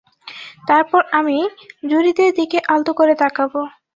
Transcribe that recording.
তারপর আমি, জুরিদের দিকে আলতো করে তাকাবো।